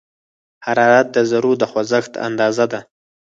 حرارت د ذرّو د خوځښت اندازه ده.